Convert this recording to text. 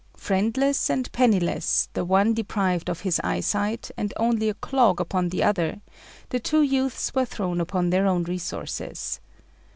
Friendless and penniless, the one deprived of his eyesight and only a clog upon the other, the two youths were thrown upon their own resources.